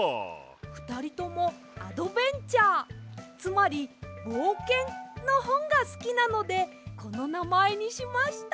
ふたりともアドベンチャーつまりぼうけんのほんがすきなのでこのなまえにしました！